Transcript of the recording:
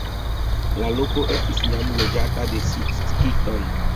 La loko estis jam loĝata de skitoj.